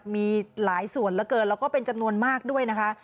มีหลายส่วนเหลือเกินแล้วก็เป็นจำนวนมากด้วยนะคะ